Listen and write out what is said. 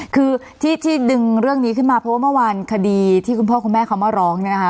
คือที่ดึงเรื่องนี้ขึ้นมาเพราะว่าเมื่อวานคดีที่คุณพ่อคุณแม่เขามาร้องเนี่ยนะคะ